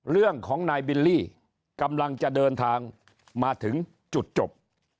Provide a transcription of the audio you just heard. เรื่องของนายบิลลี่กำลังจะเดินทางมาถึงจุดจบ